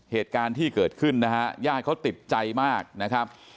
เหตุการณ์ที่เกิดขึ้นนะฮะญาติเขาติดใจมากนะครับ